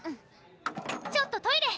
ちょっとトイレ！